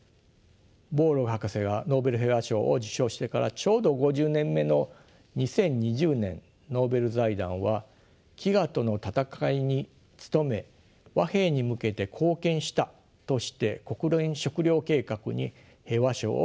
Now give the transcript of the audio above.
ボーローグ博士がノーベル平和賞を受賞してからちょうど５０年目の２０２０年ノーベル財団は飢餓との闘いに努め和平に向けて貢献したとして国連食糧計画に平和賞を授与しています。